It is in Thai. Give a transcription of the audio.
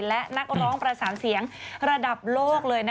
และนักร้องประสานเสียงระดับโลกเลย